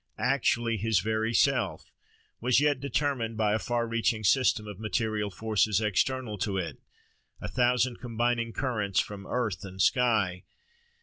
actually his very self—was yet determined by a far reaching system of material forces external to it, a thousand combining currents from earth and sky.